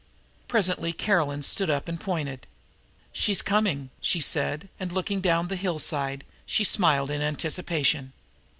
Presently Caroline stood up and pointed. "She's coming," she said, and, looking down the hillside, she smiled in anticipation.